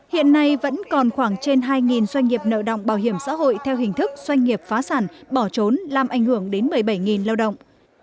hiện nay vẫn còn khoảng trên hai doanh nghiệp nợ động bảo hiểm xã hội theo hình thức doanh nghiệp phá sản bỏ trốn làm ảnh hưởng đến một mươi bảy lao động